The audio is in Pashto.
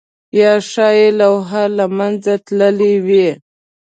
یا ښايي لوحه له منځه تللې وي؟